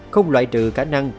không loại trừ khả năng